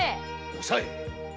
おさい。